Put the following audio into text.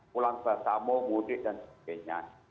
pulang bahasa mau mudik dan sebagainya